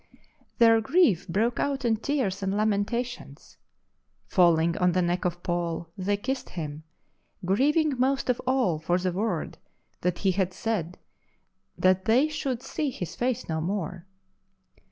Their grief broke out in tears and lamentations. Falling on the neck of Paul, they kissed him, " grieving most of all for the word that he had said that they should see his face no more."